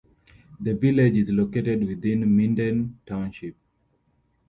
The village is located within Minden Township.